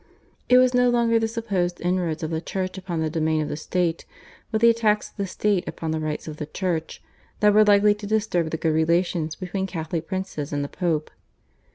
It was no longer the supposed inroads of the Church upon the domain of the State but the attacks of the State upon the rights of the Church, that were likely to disturb the good relations between Catholic princes and the Pope.